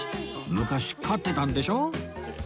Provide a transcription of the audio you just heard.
昔飼ってたんでしょ？